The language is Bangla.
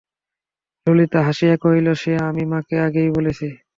ললিতা হাসিয়া কহিল, সে আমি মাকে আগেই বলেছি।